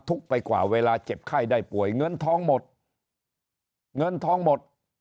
ไปกว่าเวลาเจ็บไข้ได้ป่วยเงินทองหมดเงินทองหมด